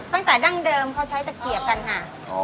ตั้งแต่ดั้งเดิมเขาใช้ตะเกียบกันค่ะ